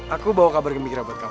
aku bawa kabar gembira buat kamu